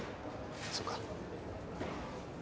そうか。